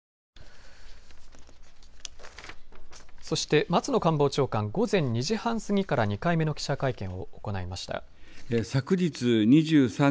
そして松野官房長官、午前２時半過ぎから２回目の記者会見を行いました。